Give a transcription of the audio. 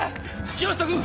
木下君！